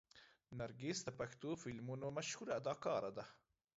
نرګس د پښتو فلمونو مشهوره اداکاره ده.